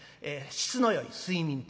質のよい睡眠と。